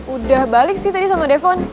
udah balik sih tadi sama defon